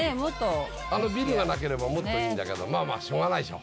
あのビルがなければもっといいんだけどまぁまぁしょうがないでしょ。